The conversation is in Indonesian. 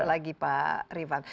lagi pak rivan